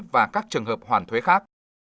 và các trường hợp hoàn thuế khác